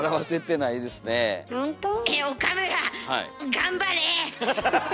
頑張れ！